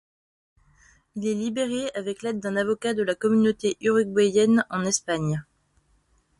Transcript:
Il est libéré avec l'aide d'un avocat de la communauté uruguayenne en Espagne.